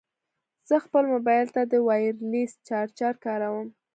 زه خپل مبایل ته د وایرلیس چارجر کاروم.